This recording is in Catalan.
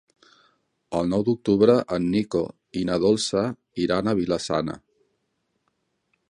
El nou d'octubre en Nico i na Dolça iran a Vila-sana.